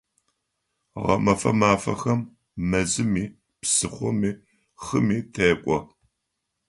Гъэмэфэ мафэхэм мэзыми, псыхъоми, хыми тэкӀо.